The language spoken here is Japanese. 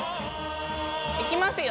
いきますよ。